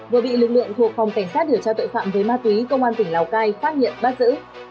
vừa bị lực lượng thuộc phòng cảnh sát điều tra tội phạm với ma túy công an tỉnh lào cai phát hiện bắt giữ